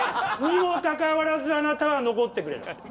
にもかかわらずあなたは残ってくれる。